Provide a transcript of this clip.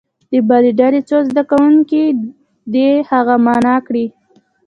د بلې ډلې څو زده کوونکي دې هغه معنا کړي.